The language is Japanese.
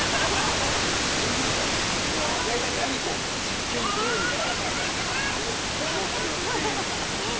うわ実験どおりの動きをしている。